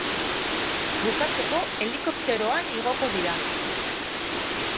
Bukatzeko helikopteroan igoko dira.